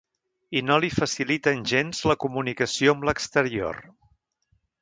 I no li faciliten gens la comunicació amb l’exterior.